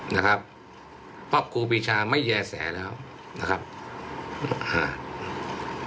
นะครับเพราะครูปีชาไม่แย่แสแล้วนะครับอ่า